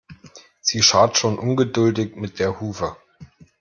Sie scharrt schon ungeduldig mit der Hufe.